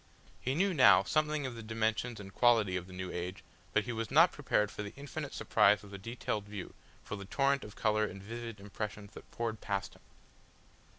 He knew now something of the dimensions and quality of the new age, but he was not prepared for the infinite surprise of the detailed view, for the torrent of colour and vivid impressions that poured past him.